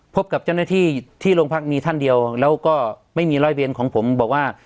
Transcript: พบกับเจ้าหน้าที่ที่โรงพักมีท่านเดียวแล้วก็ไม่มีร้อยเวียนของผมบอกว่า